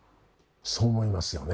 そう思いますよね？